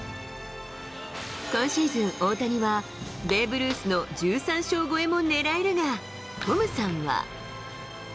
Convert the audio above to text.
今シーズン、大谷はベーブ・ルースの１３勝超えもねらえるが、トムさんは。